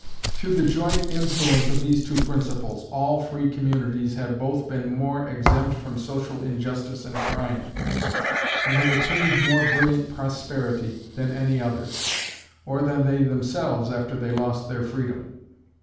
Through the joint influence of these two principles, all free communities have both been more exempt from social injustice and crime, and have attained more brilliant prosperity than any others, or than they themselves after they lost their freedom.